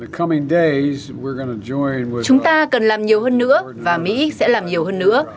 chúng ta cần làm nhiều hơn nữa và mỹ sẽ làm nhiều hơn nữa